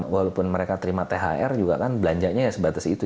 walaupun mereka terima thr juga kan belanjanya ya sebatas itu